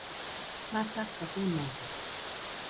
masaka junaide